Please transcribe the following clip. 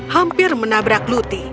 hampir menabrak luthi